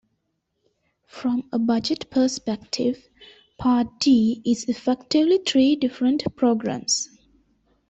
From a budget perspective, Part D is effectively three different programs.